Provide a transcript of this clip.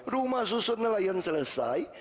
rumah susun nelayan selesai